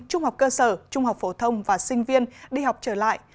trung học cơ sở trung học phổ thông và sinh viên đi học trở lại